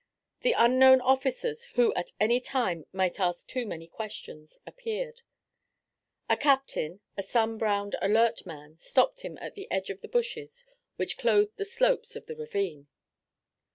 The unknown officers who at any time might ask too many questions appeared. A captain, a sunbrowned, alert man, stopped him at the edge of the bushes which clothed the slopes of the ravine.